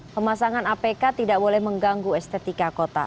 pemasangan apk tidak boleh mengganggu estetika kota